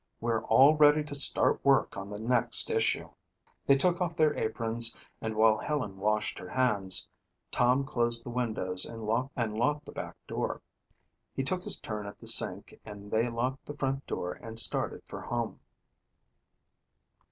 We're all ready to start work on the next issue." They took off their aprons and while Helen washed her hands, Tom closed the windows and locked the back door. He took his turn at the sink and they locked the front door and started for home.